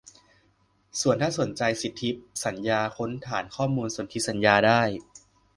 ส่วนถ้าสนใจสิทธิสัญญา ค้นฐานข้อมูลสนธิสัญญาได้